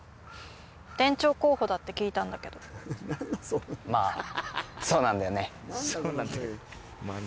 店長候補だって聞いたんだけどまあそうなんだよね